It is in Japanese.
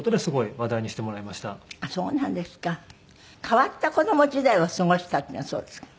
変わった子供時代を過ごしたっていうのはそうですか？